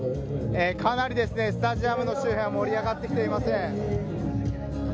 かなりスタジアムの周辺は盛り上がってきています。